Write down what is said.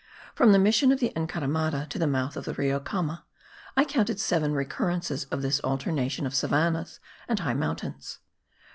From the mission of the Encaramada to the mouth of the Rio Qama I counted seven recurrences of this alternation of savannahs and high mountains.